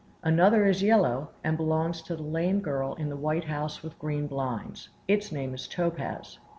Another is yellow, and belongs to the lame girl in the white house with green blinds; its name is Topaz.